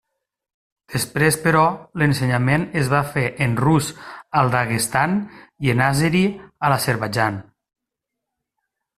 Després, però, l'ensenyament es va fer en rus al Daguestan i en àzeri a l'Azerbaidjan.